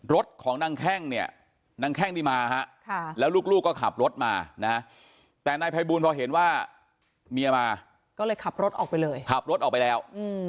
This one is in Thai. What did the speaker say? รถของนางแข้งเนี่ยนางแข้งนี่มาฮะแล้วลูกก็ขับรถมานะแต่นายภัยบูลพอเห็นว่าเมียมาก็เลยขับรถออกไปเลยขับรถออกไปแล้ว